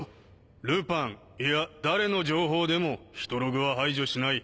ルパンいや誰の情報でもヒトログは排除しない。